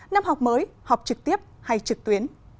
năm học mới học trực tiếp hay trực tuyến